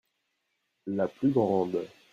la plus grande.